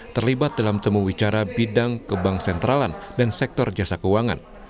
terlibat dalam temu bicara bidang kebang sentralan dan sektor jasa keuangan